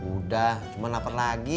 udah cuma lapar lagi